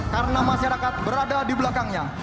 karena masyarakat berada di belakangnya